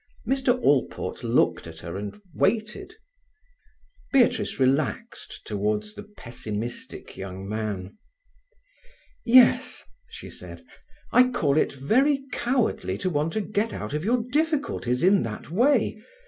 Mr. Allport looked at her and waited. Beatrice relaxed toward the pessimistic young man. "Yes," she said, "I call it very cowardly to want to get out of your difficulties in that way.